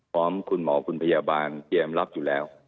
พร้อมคุณหมอคุณพยาบาลเตรียมรับอยู่แล้ว